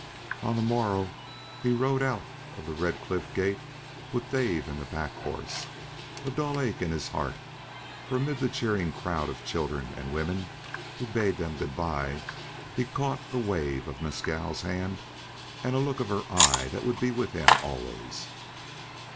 On the morrow he rode out of the red cliff gate with Dave and the pack horses, a dull ache in his heart; for amid the cheering crowd of children and women who bade them good bye he had caught the wave of Mescal's hand and a look of her eyes that would be with him always.